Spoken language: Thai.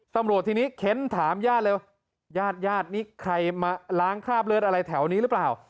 ตำรวจทีนี้เค้นถามญาติเลยว่าญาติญาตินี่ใครมาล้างคราบเลือดอะไรแถวนี้หรือเปล่า